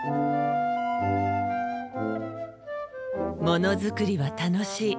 もの作りは楽しい。